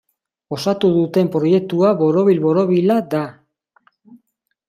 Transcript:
Osatu duten proiektua borobil-borobila da.